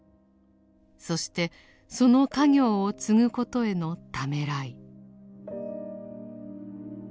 そしてその家業を継ぐことへのためらい。